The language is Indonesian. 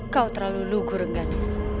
kau terlalu lugu rengganis